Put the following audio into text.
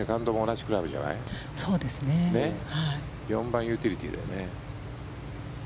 ４番ユーティリティーだよね。